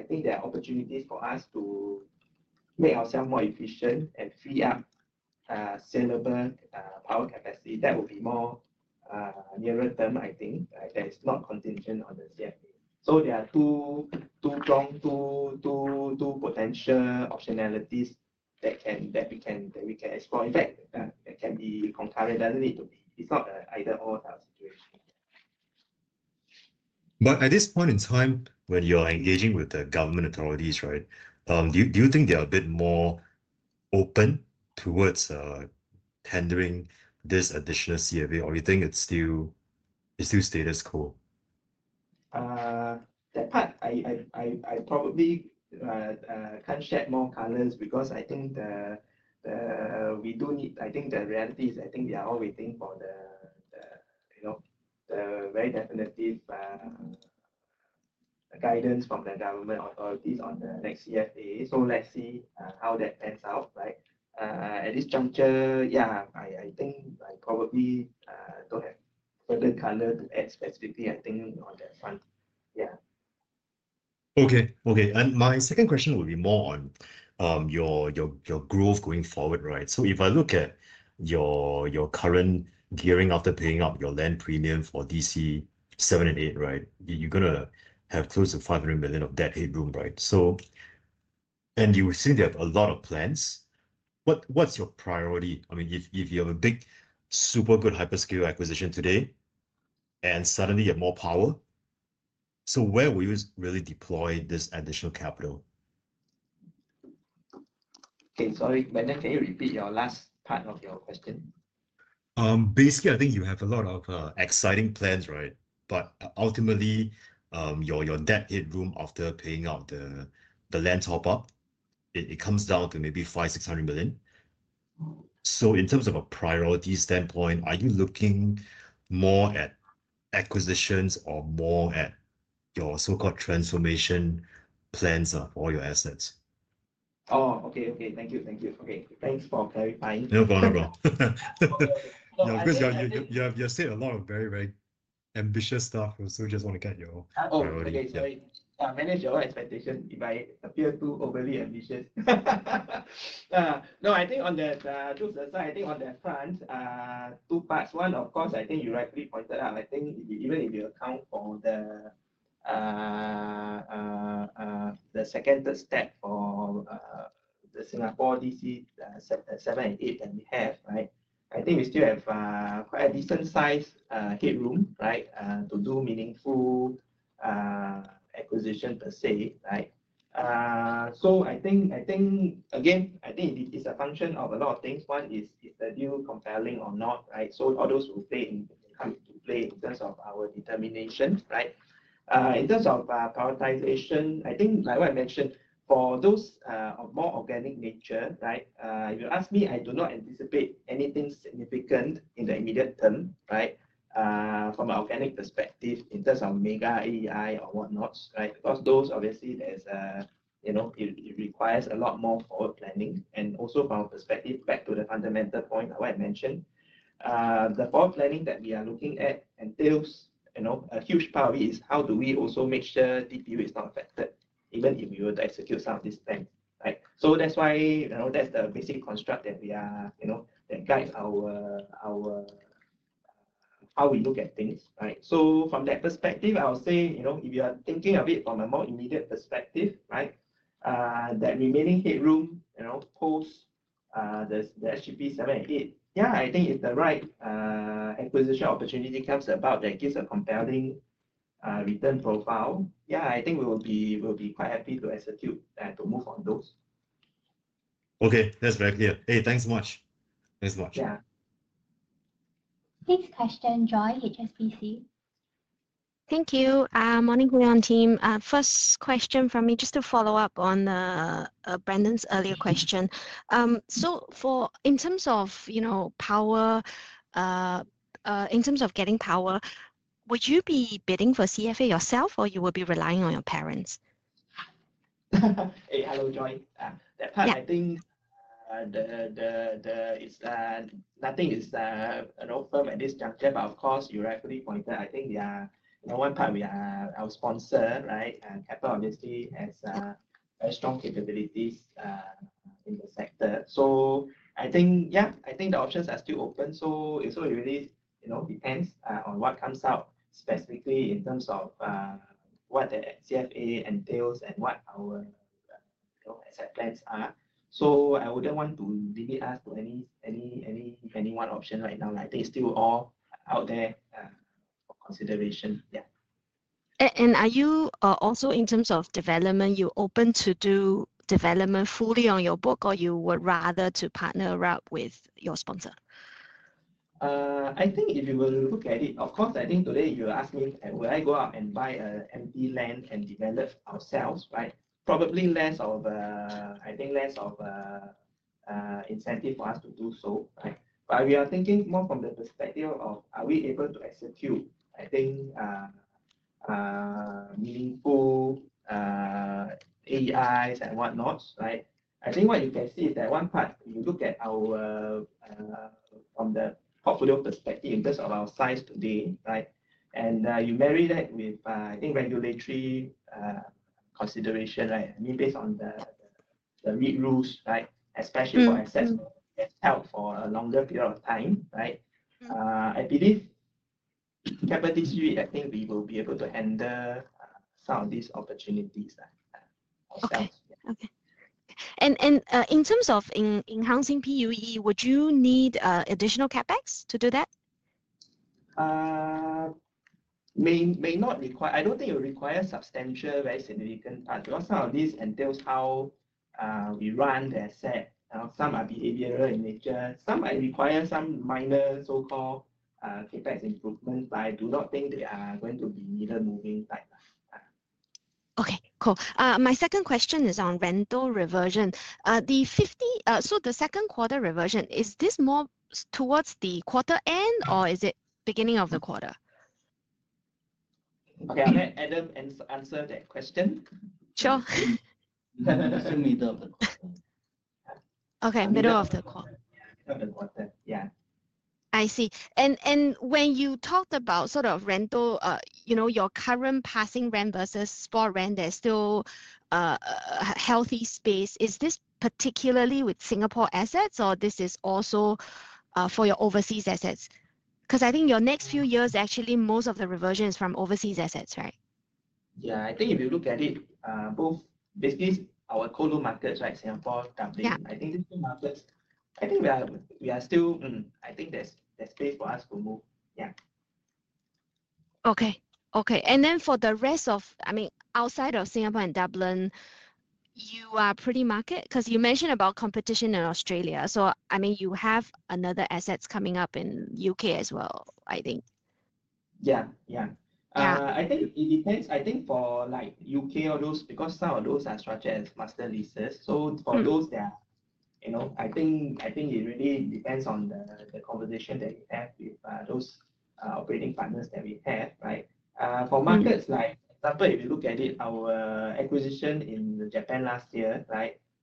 there are opportunities for us to make ourselves more efficient and free up sellable power capacity that will be more nearer term. That is not contingent on the CFA. There are two strong, two potential optionalities that we can explore. In fact, they can be concurrent. It does not need to be an either-or situation. At this point in time when you're engaging with the government authorities, do you think they are a bit more open towards tendering this additional CFA or do you think it's still status quo? That part I probably can't shed more color on because the reality is we are all waiting for the very definitive guidance from the government authorities on the next CFA. Let's see how that pans out. At this juncture, I probably don't have further color to add specifically on that front. Yeah. Okay. Okay. My second question will be more on your growth going forward. If I look at your current gearing, after paying up your land premium for DC 7 and DC 8, you're going to have close to 500 million of that headroom. You seem to have a lot of plans. What's your priority? I mean, if you have a big super good hyperscale acquisition today and suddenly you have more power, where will you really deploy this additional capital? Okay, sorry, can you repeat your last part of your question? Basically, I think you have a lot of exciting plans, but ultimately your debt headroom after paying out the land top up comes down to maybe 500 million, 600 million. In terms of a priority standpoint, are you looking more at acquisitions or more at your so-called transformation plans of all your assets? Okay. Okay, thank you. Thank you. Okay, thanks for clarifying. You have said a lot of very, very ambitious stuff. Just want to manage your expectations if I appear too overly ambitious. I think on the front two parts. One, of course, I think you rightly pointed out, even if you account for the second step for the Singapore DC 7, Singapore DC 8, that we have, I think we still have quite a decent size headroom to do meaningful acquisition per se. I think again it's a function of a lot of things. One is the deal compelling or not. Others will stay in terms of our determination. In terms of prioritization, like I mentioned, for those of more organic nature, if you ask me, I do not anticipate anything significant in the immediate term from an organic perspective in terms of mega AI or whatnot, because those obviously require a lot more forward planning. Also, from the perspective back to the fundamental point I mentioned, the form planning that we are looking at entails a huge part is how do we also make sure DPU is not affected even if you would execute some of these plans. That's the basic construct that guides how we look at things. From that perspective, if you are thinking of it from a more immediate perspective, that remaining headroom post the SGP 7, SGP 8, I think if the right acquisition opportunity comes about that gives a compelling return profile, I think we will be quite happy to execute and to move on those. Okay, that's very clear. Hey, thanks much. Thanks much. Next question. Joy, HSBC. Thank you. Morning, Keppel team. First question from me, just to follow up on Brandon's earlier question. In terms of, you know, power, in terms of getting power, would you be bidding for CFA yourself, or would you be relying on your parents? Hey, hello. Joy, that part I think nothing is firm at this juncture. Of course, you rightfully pointed, I think one part we are our sponsor, right, and hyperscale obviously has strong capabilities in the sector. I think the options are still open. It really depends on what comes out specifically in terms of what the CFA entails and what our asset plans are. I wouldn't want to limit us to any one option right now. I think still all out there for consideration. Are you also, in terms of development, open to do development fully on your book, or would you rather partner up with your sponsor? I think if you will look at it, of course I think today you asked me will I go out and buy a MP land and develop ourselves. Probably less of, I think less of incentive for us to do so. We are thinking more from the perspective of are we able to execute, I think meaningful AIs and whatnot. Right. What you can see is that one part, you look at our from the portfolio perspective in terms of our size today. Right. You marry that with, I think, regulatory consideration. Right. I mean based on the REIT rules. Right. Especially for assets held for a longer period of time. Right. I believe Cuscaden Peak, I think we will be able to handle some of these opportunities. In terms of enhancing PUE, would you need additional CapEx to do that? I don't think it will require substantial, very significant because some of this entails how we run the asset. Some are behavioral in nature, some might require some minor so-called CapEx improvements. I do not think they are going to be needed moving type. Okay, cool. My second question is on rental reversion. The second quarter reversion, is this more towards the quarter end or is it beginning of the quarter? Okay, I'll let Adam Lee answer that question. Sure. Okay. Middle of the call. I see. When you talked about sort of rental, you know, your current passing rent vs spot rent, there's still healthy space. Is this particularly with Singapore assets or is this also for your overseas assets? I think your next few years, actually most of the reversion is from overseas assets, right? Yeah, I think if you look at it, both basically our colo markets, right, Singapore, Dublin, I think we are still, I think there's space for us to move. Yeah. Okay. For the rest of, I mean outside of Singapore and Dublin, you are pretty market because you mentioned about competition in Australia. You have another assets coming up in U.K. as well, I think. I think it depends. I think for like U.K. or those, because some of those are structured as master leases. For those, it really depends on the conversation that you have with those operating partners that we have. For markets like if you look at it, our acquisition in Japan last year,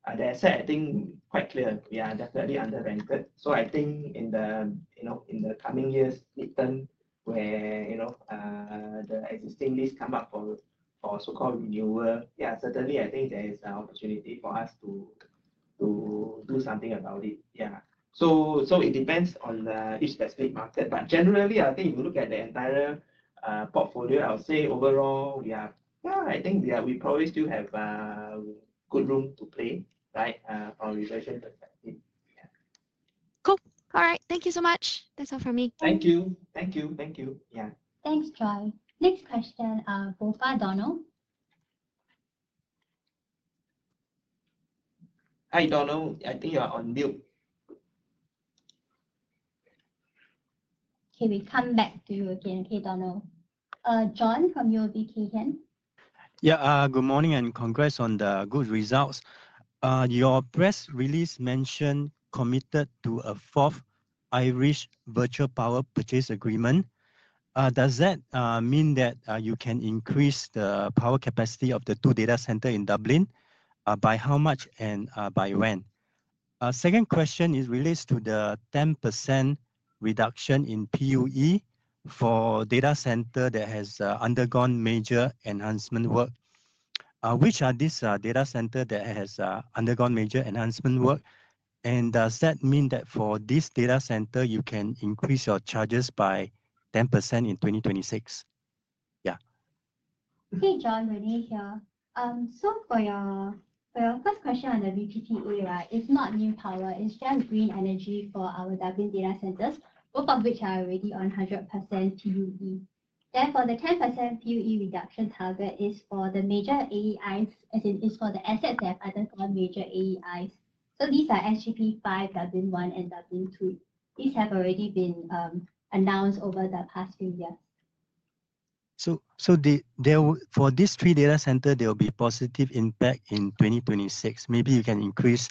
they said, I think quite clear. Definitely underranked. In the coming years, midterm, where the existing list come up for so called renewal, certainly I think there is an opportunity for us to do something about it. It depends on each specific market. Generally, if you look at the entire portfolio, I would say overall I think we probably still have good room to play. Or relation. Cool. All right. Thank you so much. That's all from me. Thank you. Thank you. Thank you. Yeah, thanks, Joy. Next question. Donald. Hi, Donald. I think you are on mute. Okay, we come back to you again. Okay. Donald, Jon from UOB Kay Hian. Yeah, good morning and congrats on the good results. Your press release mentioned committed to a fourth Irish virtual power purchase agreement. Does that mean that you can increase the power capacity of the two data centres in Dublin by how much and by when? Second question relates to the 10% reduction in PUE for data centres that have undergone major enhancement work. Which are these data centres that have undergone major enhancement work, and does that mean that for these data centres you can increase your charges by 10% in 2026? Yeah. Hey, Jon, Renee here. For your first question on WPPA, it's not new power, it's just green energy for our Dublin Data Centres, both of which are already on 100% PUE. Therefore, the 10% PUE reduction target is for the major AIs, as in it's for the assets that have other four major AIs. These are SGP 5, Dublin 1, and Dublin 2. These have already been announced over the past few years. For these three data centres, there will be positive impact in 2026. Maybe you can increase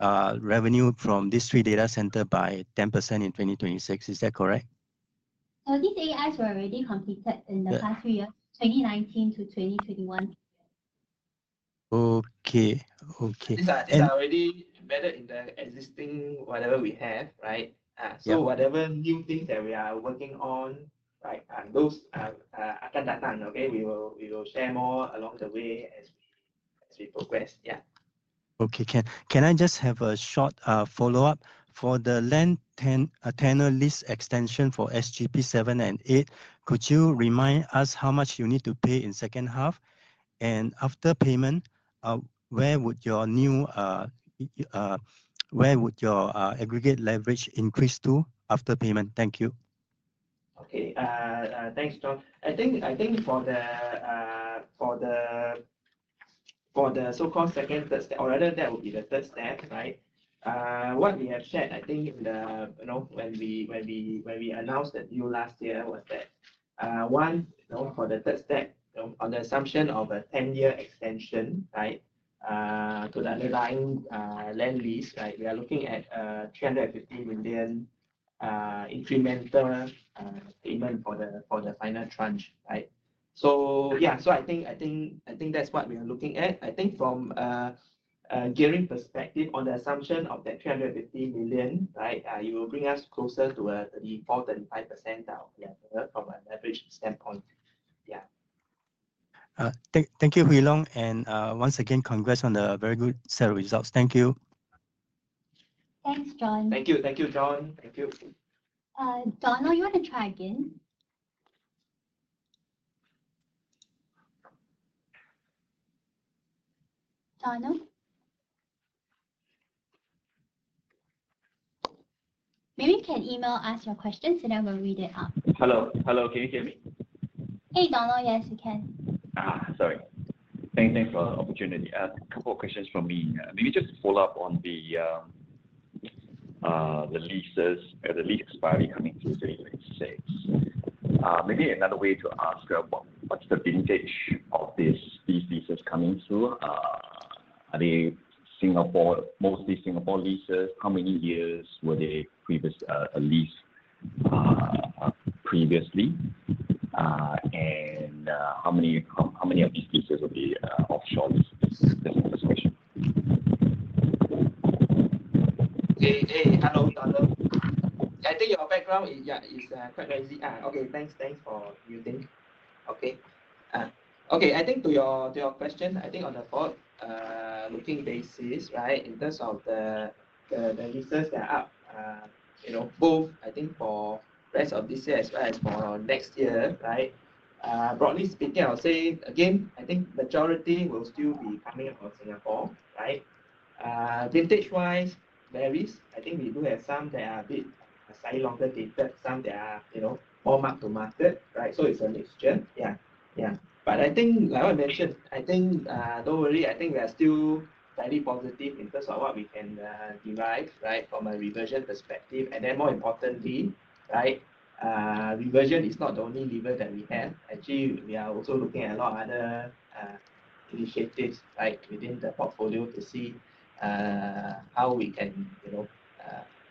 revenue from these three data centres by 10% in 2026, is that correct? These AIs were already completed in the past few years, 2019-2021. Okay. They are already embedded in the existing, whatever we have. Right. Whatever new things that we are working on, those we will share more along the way as well as we progress. Yeah. Okay. Can I just have a short follow up for the land tenure lease extension for SGP 7 and SGP 8? Could you remind us how much you need to pay in the second half and after payment, where would your new, where would your aggregate leverage increase to after payment? Thank you. Okay. Thanks, Jon. I think for the so-called second, or rather that would be the third step, right, what we have said, I think when we announced that last year was that for the third step, on the assumption of a 10-year extension to the underlying land lease, we are looking at a 350 million incremental payment for the final tranche. Yeah. I think that's what we are looking at. I think from a gearing perspective, on the assumption of that 350 million, it will bring us closer to a 34%, 35% from an average standpoint. Yeah. Thank you, Hwee Long. And once again, congrats on the very good set of results. Thank you. Thanks, Jon. Thank you. Thank you, Jon. Thank you. Donald, you want to try again? Donald? Maybe you can email us your questions and I will read it out. Hello, can you hear me? Hey Donald, yes you can. Sorry, thanks for the opportunity. A couple of questions from me. Maybe just follow up on the leases at the lease expiry coming to 2026. Maybe another way to ask, what's the vintage of these leases coming through? Are they mostly Singapore leases? How many years were they previously leased, and how many of these leases will be offshore? Okay. I think to your question, on the forward-looking basis, in terms of the leases that are up, both for the rest of this year as well as for next year, broadly speaking, the majority will still be coming across Singapore. Vintage wise, it varies. We do have some that are slightly longer, some that are more mark to market. It's a mixture. I mentioned, don't worry, we are still very positive in terms of what we can derive from a reversion perspective, and more importantly, reversion is not the only lever that we have. We are also looking at a lot of other initiatives within the portfolio to see how we can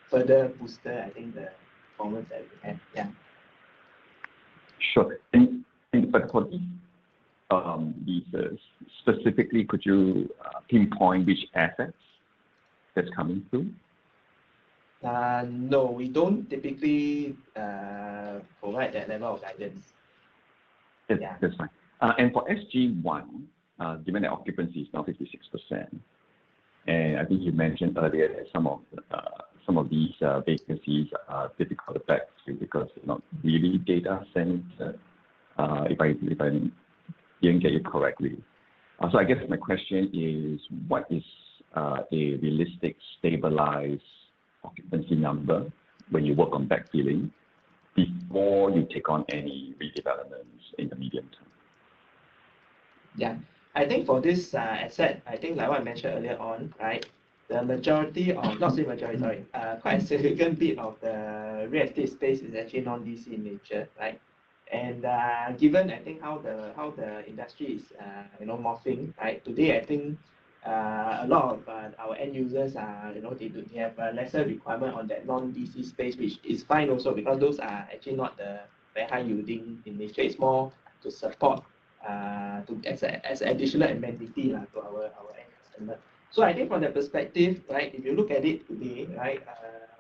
further boost the performance that we have. Specifically, could you pinpoint which assets that's coming through? No, we don't typically provide that level of guidance. That's fine. For SG 1, given that occupancy is now 56% and you mentioned earlier that some of these vacancies are difficult to backfill because they're not really data centre, if I got it correctly. My question is, what is a realistic stabilized occupancy number when you work on backfilling before you take on any redevelopments in the medium term? I think for this asset, like I mentioned earlier, quite a significant bit of the red space is actually non-data centre in nature. Given how the industry is morphing today, a lot of our end users have a lesser requirement on that non-data centre space, which is fine also because those are not the very high-yielding industry. It's more to support as additional amenity to our end customer. From that perspective, if you look at it today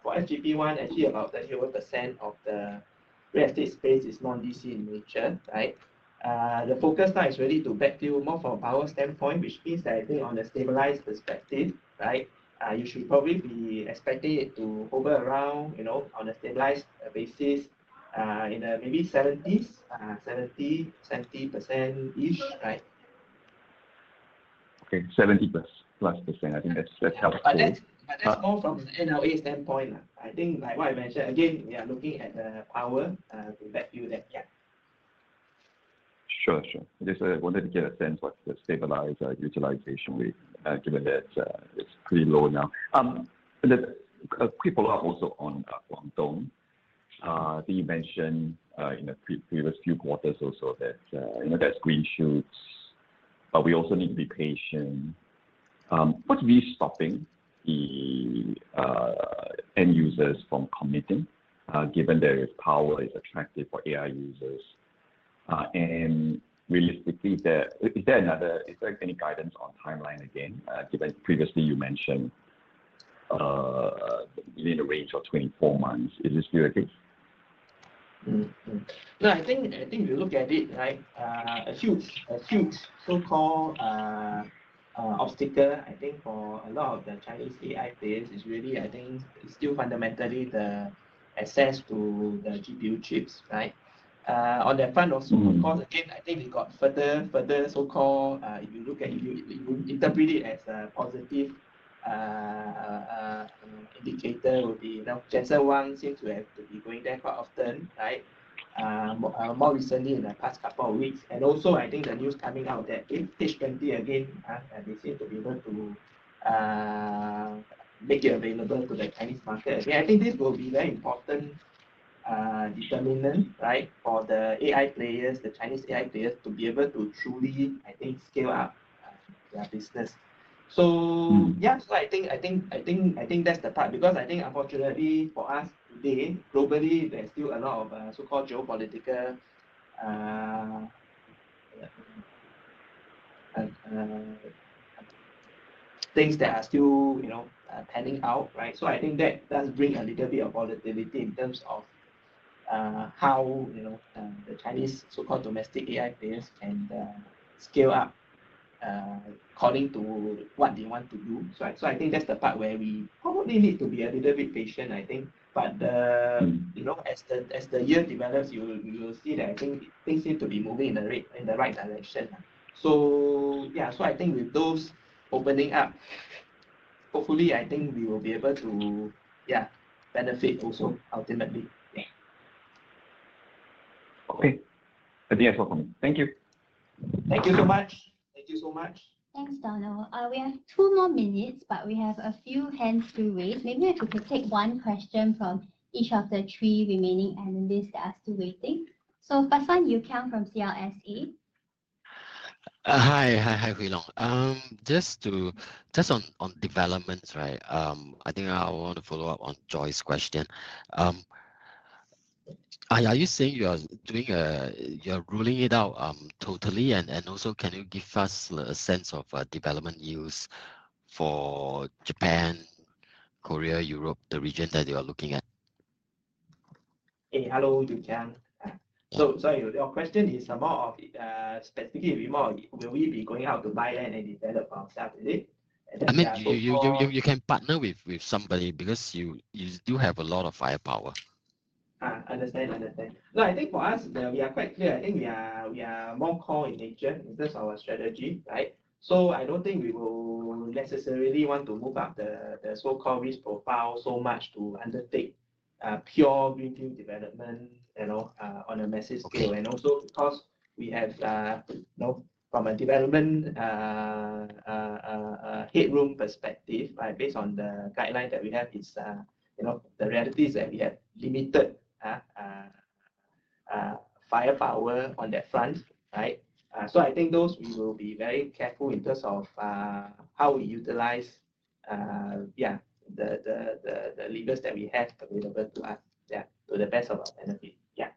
for SGP 1, actually about 31% of the real estate space is non-data centre in nature. The focus now is really to backfill more from a power standpoint, which means that I think on a stabilized perspective you should probably be expecting it to hover around on a stabilized basis in maybe 70% ish. Right? Okay, 70%+ I think that's helpful. That's more from NLA standpoint, I think. Like what I mentioned again, we are looking at the power to backfill that gap. Sure, sure. I wanted to get a sense of the stabilized utilization rate given that it's pretty low. Now a quick follow up also on Dome, you mentioned in the previous few quarters or so that there's green shoots, but we also need to be patient. What's really stopping the end users from committing, given their power is attractive for AI users? Realistically, is there any guidance on timeline? Again, previously you mentioned within the range of 24 months. Is this the case? No, I think if you look at it, a huge so-called obstacle for a lot of the Chinese AI players is really, I think, still fundamentally the access to the GPU chips right on the front. Also, of course, again, I think we got further, further so-called, if you look at, interpret it as a positive indicator, would be Jensen Wang seems to have to be going there quite often. More recently in the past couple of weeks. Also, I think the news coming out that in stage 20 again they seem to be able to make it available to the Chinese market. I think this will be a very important determinant for the AI players, the Chinese AI players, to be able to truly scale up their business. I think that's the part because unfortunately for us today globally there's still a lot of so-called geopolitical things that are still panning out. I think that does bring a little bit of volatility in terms of how the Chinese so-called domestic AI players can scale up according to what they want to do. I think that's the part where we probably need to be a little bit patient. As the year develops you will see that things seem to be moving in the right direction. With those opening up, hopefully we will be able to benefit also ultimately. Okay, I think that's all for me. Thank you. Thank you so much. Thank you so much. Thanks, Donald. We have two more minutes, but we have a few hands raised. Maybe if you could take one question from each of the three remaining analysts that are still waiting. First one, Yew Kiang from CLSA. Hi Hwee Long. Just to developments, right. I think I want to follow up on Joy's question. Are you saying you're ruling it out? Totally. Also, can you give us a sense of development use for Japan, Korea, Europe, the region that you are looking at? Hello, Yew Kiang. Your question is more of specifically, will we be going out to buy and develop ourselves? I mean you can partner with somebody because you do have a lot of firepower. Understand. I think for us we are quite clear. I think we are more core in nature in terms of our strategy. I don't think we will necessarily want to move up the so-called risk profile so much to undertake pure greenfield development on a massive scale. Also, because we have from a development headroom perspective, based on the guideline that we have, the reality is that we have limited firepower on that front. I think we will be very careful in terms of how we utilize the levers that we have available to us to the best of our benefit. Yeah.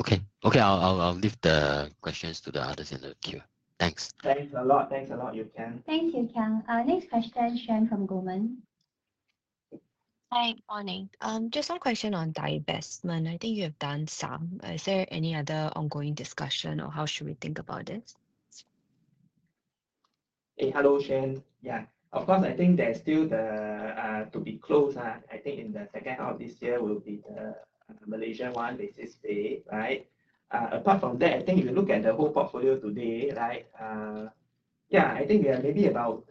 Okay. I'll leave the questions to the others in the queue. Thanks. Thanks a lot. Thanks a lot, Yew Kiang. Thank you, Kiang. Next question, Xuan from Goldman. Hi. Morning. Just one question on divestment. I think you have done some. Is there any other ongoing discussion or how should we think about it next? Hello, Xuan. Yeah, of course. I think there's still the, to be close. I think in the second half this year will be the Malaysian one basis pay. Right. Apart from that, if you look at the whole portfolio today, I think we have maybe about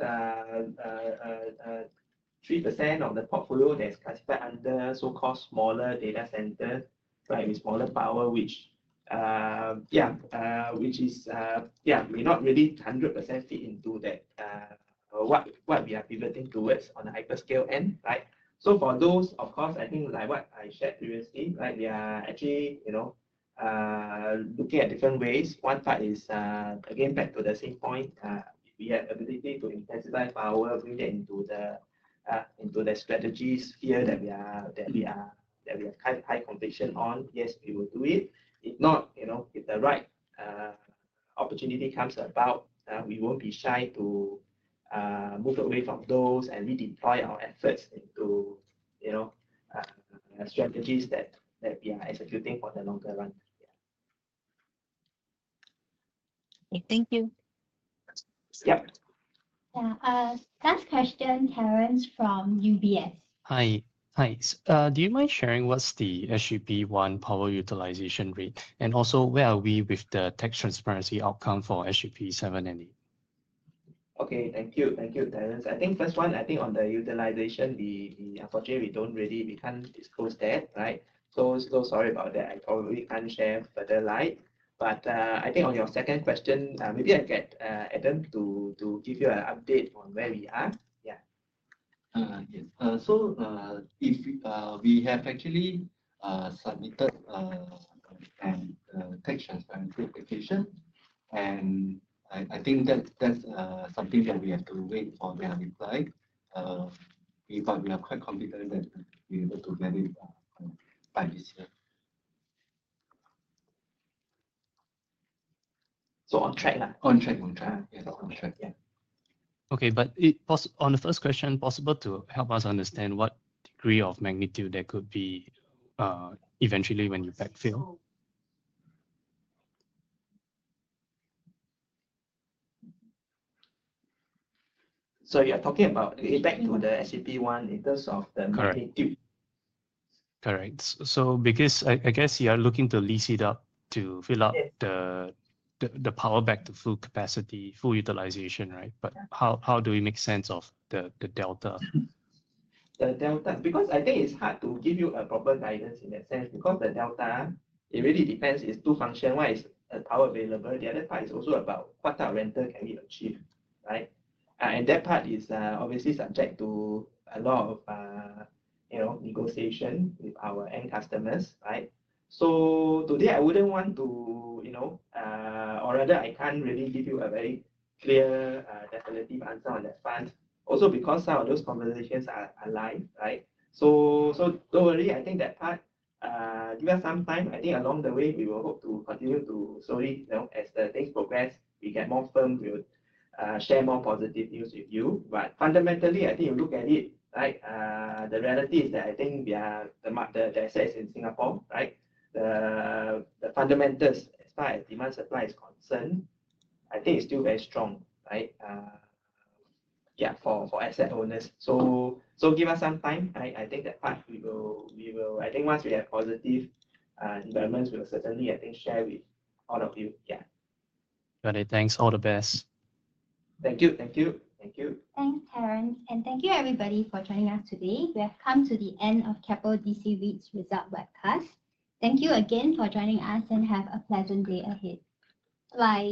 3% of the portfolio that's classified under so-called smaller data centres with smaller power, which may not really 100% fit into what we are pivoting towards on the hyperscale end. For those, like what I shared previously, we are actually looking at different ways. One part is again back to the same point. We have ability to intensify power into the strategies here that we have high conviction on. Yes, we will do it. If not, if the right opportunity comes about, we won't be shy to move away from those and redeploy our efforts into strategies that we are executing for the longer run. Thank you. Last question, Terence from UBS. Hi, do you mind sharing what's the SGP 1 power utilization rate? And also where are we with the tax transparency outcome for SGP 7 and SGP 8? Thank you. Thank you, Terence. I think first one, on the utilization, unfortunately we don't really, we can't disclose that. Sorry about that. I probably can't share further light, but on your second question maybe I get Adam to give you an update on where we are. Yeah. We have actually submitted a tax transparency application and I think that's something that we have to wait for a reply because we are quite confident that we are able to get it by this. On track. On track. On the first question, possible to help us understand what degree of magnitude there could be eventually when you backfill. You're talking about back to the SGP 1 in terms of the magnitude, correct. Because I guess you are looking to lease it up to fill up the power back to full capacity, full utilization, right. How do we make sense of the delta? The delta, because I think it's hard to give you a proper guidance in that sense because the delta, it really depends, it's two functions. One is power available. The other part is also about what type of rental can we achieve, right. That part is obviously subject to a lot of negotiation with our end customers. Today I wouldn't want to, or rather I can't really give you a very clear definitive answer on that front also because some of those conversations are aligned. Don't worry. I think that part, give us some time. Along the way we will hope to continue to slowly, as things progress, we get more firm, we would share more positive news with you. Fundamentally, I think you look at it, the reality is that the GSS in Singapore, the fundamentals as far as demand-supply is concerned, I think it's still very strong for asset owners. Give us some time. I think that part, once we have positive environments, we'll certainly share with all of you. Thanks. All the best. Thank you. Thank you. Thank you. Thanks, Terence. Thank you, everybody, for joining us today. We have come to the end of Keppel DC REIT's result webinar. Thank you again for joining us, and have a pleasant day ahead. Bye.